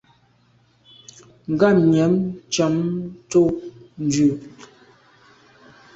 Ngabnyàm tshàm ntshob ndù.